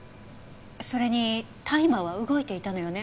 それにタイマーは動いていたのよね。